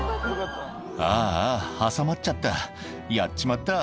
「ああ挟まっちゃったやっちまった」